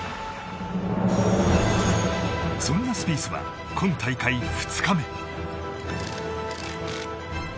そんなスピースは今大会２日目。